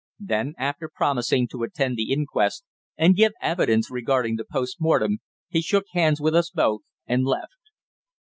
Then, after promising to attend the inquest and give evidence regarding the post mortem, he shook hands with us both and left.